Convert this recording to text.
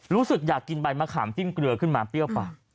รู้สึกอยากกินใบมะขามจิ้มเกลือขึ้นมาเปรี้ยวปาก